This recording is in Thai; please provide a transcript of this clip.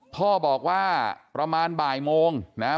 พ่อบอกว่าประมาณบ่ายโมงนะฮะ